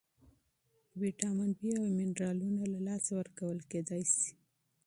بی ویټامین او منرالونه له لاسه ورکول کېدای شي.